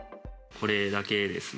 これだけですね。